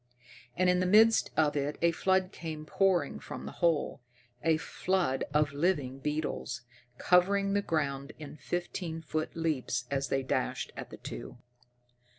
And in the midst of it a flood came pouring from the hole a flood of living beetles, covering the ground in fifteen foot leaps as they dashed at the two.